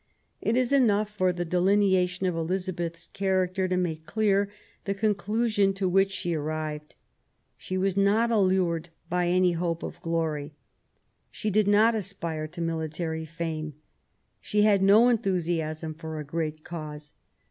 It is enough for the delineation of Elizabeth's character to make clear the conclusion to which she arrived. She was not allured by any hope of glory ; she did not aspire to military fame; she had no enthusi asm for a great cause.